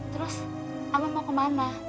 terus ama mau kemana